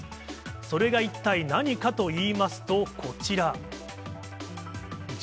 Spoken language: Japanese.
それが一体何かといいますと、こちら。